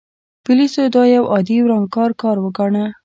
پولیسو دا یو عادي ورانکار کار وګاڼه.